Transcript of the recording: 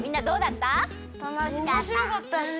たのしかった。